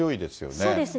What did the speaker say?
そうですね。